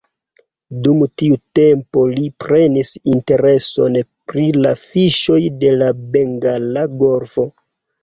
Dum tiu tempo li prenis intereson pri la fiŝoj de la Bengala Golfo.